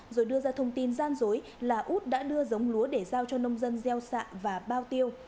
rồi đưa ra thông tin gian dối là út đã đưa giống lúa để giao cho nông dân gieo xạ và bao tiêu